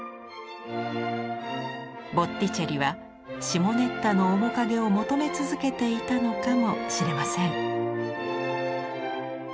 ボッティチェリはシモネッタの面影を求め続けていたのかもしれません。